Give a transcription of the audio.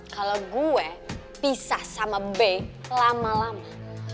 kalau gue pisah sama be lama lama